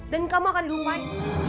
dan kamu akan dilupain